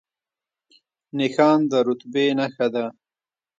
نښان د رتبې نښه ده